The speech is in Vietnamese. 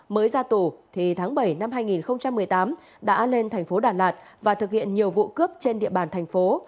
mới ra tù thì tháng bảy năm hai nghìn một mươi tám đã lên tp đà lạt và thực hiện nhiều vụ cướp trên địa bàn tp